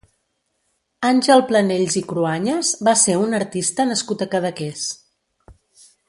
Àngel Planells i Cruañas va ser un artista nascut a Cadaqués.